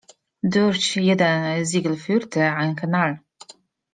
Durch jeden Ziegel führte ein Kanal.